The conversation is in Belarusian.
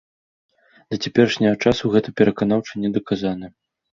Да цяперашняга часу гэта пераканаўча не даказана.